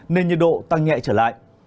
nền nhiệt độ tăng nhẹ trở lại